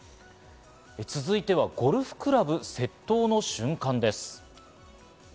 続いてはゴルフクラブ窃盗の瞬間です。